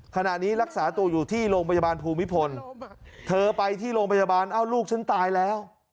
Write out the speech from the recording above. ขณะนี้รักษาตัวอยู่ที่โรงพยาบาลภูมิพลเธอไปที่โรงพยาบาลเอ้าลูกฉันตายแล้ว